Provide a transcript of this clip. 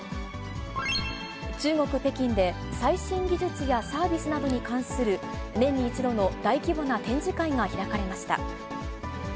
中国・北京で最新技術やサービスなどに関する、年に１度の大規模な展示会が開かれました。